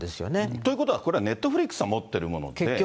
ということはこれ、ネットフリックスが持ってるもので。